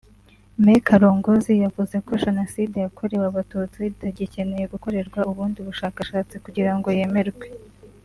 Me Karongozi yavuze ko Jenoside yakorewe Abatutsi itagikeneye gukorerwa ubundi bushakashatsi kugira ngo yemerwe